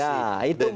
nah itu mungkin